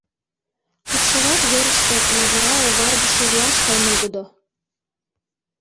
Кукшырак верыште лавыра оваргыше руаш гай нугыдо.